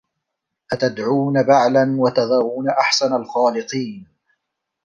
أَتَدعونَ بَعلًا وَتَذَرونَ أَحسَنَ الخالِقينَ